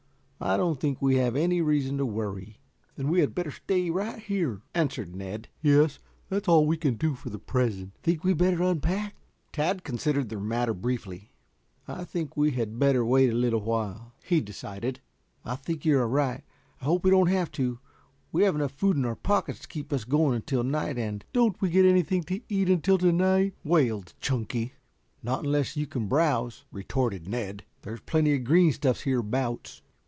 I don't think we have any reason to worry." "Then we had better stay right here," answered Ned. "Yes. That is all we can do for the present." "Think we had better unpack?" Tad considered the matter briefly. "I think we had better wait a little while," he decided. "I think you are right. I hope we don't have to. We have enough food in our pockets to keep us going until night and " "Don't we get anything to eat until night?" wailed Chunky. "Not unless you can browse," retorted Ned. "There's plenty of green stuff hereabouts."